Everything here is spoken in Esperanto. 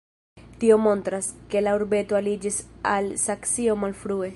Tio montras, ke la urbeto aliĝis al Saksio malfrue.